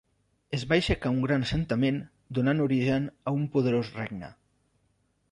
Es va aixecar un gran assentament donant origen a un poderós regne.